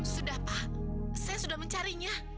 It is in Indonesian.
sudah pak saya sudah mencarinya